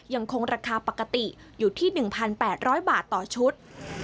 ยังคงราคาปกติอยู่ที่๑๘๐๐บาทต่อชุด